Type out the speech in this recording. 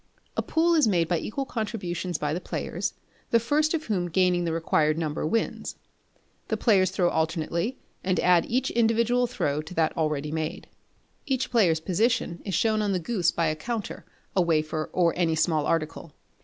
A pool is made by equal contributions by the players, the first of whom gaining the required number wins. The players throw alternately and add each individual throw to that already made. Each player's position is shown on the goose by a counter, a wafer, or any small article.